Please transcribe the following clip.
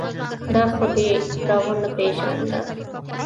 دا خو دې را و نه پېژانده.